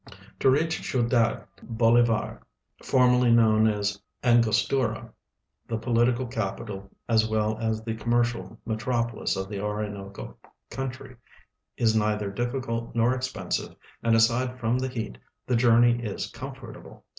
To reach Ciudad bolivar, formei'ly known as Angostura, the ])olitical ca])ital as well as the comimircial metropolis of the Ori iVK o country, is neither diHicult nor expensive, and, aside from the heat, the journey is eomfortabh*.